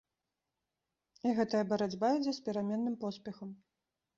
І гэтая барацьба ідзе з пераменным поспехам.